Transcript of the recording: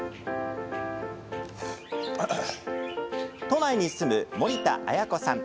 都内に住む森田亜矢子さん。